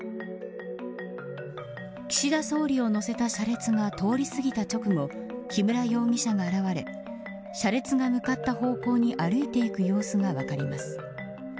岸田総理を乗せた車列が通り過ぎた直後木村容疑者が現れ車列が向かった方向に歩いていく様子が分かります。